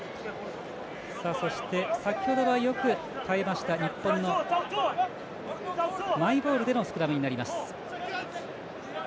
そして先ほどはよく耐えました日本のマイボールでのスクラムになります。